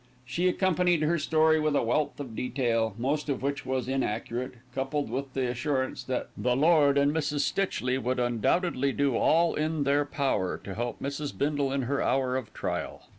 She accompanied her story with a wealth of detail, most of which was inaccurate, coupled with the assurance that the Lord and Mrs. Stitchley would undoubtedly do all in their power to help Mrs. Bindle in her hour of trial.